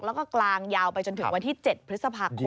แล้วก็กลางยาวไปจนถึงวันที่๗พฤษภาคม